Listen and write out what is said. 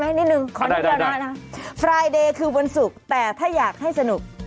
นิดนึงขอนิดเดียวนะพรายเดย์คือวันศุกร์แต่ถ้าอยากให้สนุก